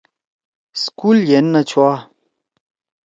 سکول ید نہ چھوا۔